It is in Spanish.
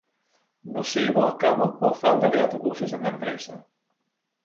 No se llevó a cabo por falta de autobuses en la empresa.